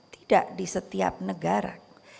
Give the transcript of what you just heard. tidak di setiap negara